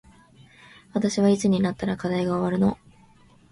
私はいつになったら課題が終わるの